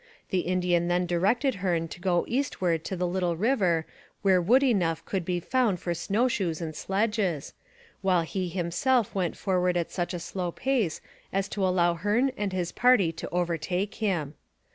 The Indian then directed Hearne to go eastward to a little river where wood enough could be found for snow shoes and sledges, while he himself went forward at such a slow pace as to allow Hearne and his party to overtake him.